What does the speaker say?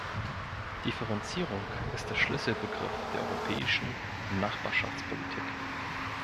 Differenzierung ist der Schlüsselbegriff der europäischen Nachbarschaftspolitik.